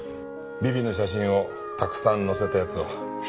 ビビの写真をたくさん載せたやつを。